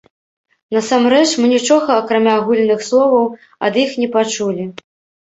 Насамрэч, мы нічога, акрамя агульных словаў, ад іх не пачулі.